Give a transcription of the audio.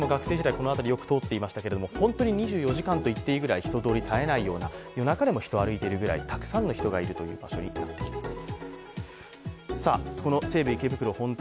この辺りよく通っていましたけど本当に２４時間ずっと人が絶えないといったような夜中でも人が歩いているぐらい、たくさんの人がいる場所になっています。